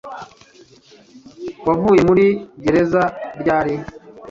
Wavuye muri gereza ryari